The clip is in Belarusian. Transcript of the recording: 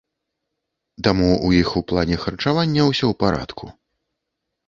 Таму ў іх у плане харчавання ўсё ў парадку.